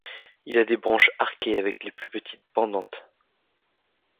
Il a des branches arquées avec les plus petites pendantes.